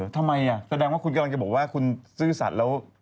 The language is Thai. ทำไมแสดงว่าคุณกำลังจะบอกว่าคุณซื่อสัตว์แล้ว